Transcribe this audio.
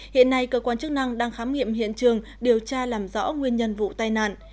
hiện nay cơ quan chức năng đang khám nghiệm hiện trường điều tra làm rõ nguyên nhân vụ tai nạn